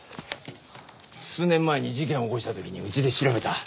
数年前に事件を起こした時にうちで調べた。